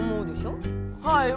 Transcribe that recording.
はい。